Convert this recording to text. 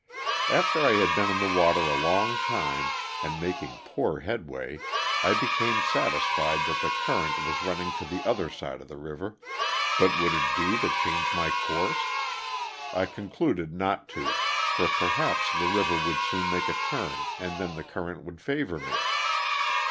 After I had been in the water a long time, and making poor headway, I became satisfied that the cur rent was running to the other side of the river, but would it do to change my course? I concluded not to, for perhaps the river would soon make a turn and then the current would favor me.